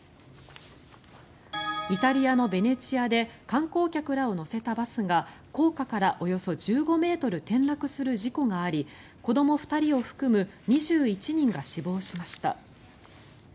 イタリアのベネチアで観光客らを乗せたバスが高架からおよそ１５ｍ転落する事故があり子ども２人を含む２１人が死亡しました。